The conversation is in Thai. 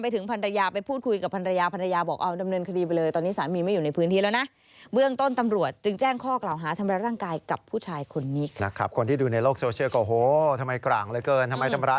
ต๊อคลงเป็นทหารใช่ไหมฮะ